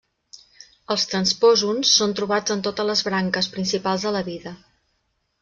Els transposons són trobats en totes les branques principals de la vida.